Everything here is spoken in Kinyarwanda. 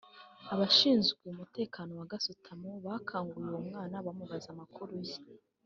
Abashinzwe umutekano wa Gasutamo (Douanes) bakanguye uwo mwana bamubaza amakuru ye